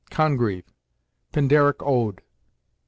Congreve, "Pindaric Ode," ii.